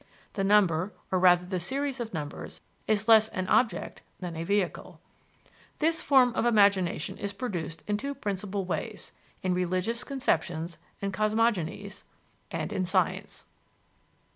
The number, or rather the series of numbers, is less an object than a vehicle. This form of imagination is produced in two principal ways in religious conceptions and cosmogonies, and in science.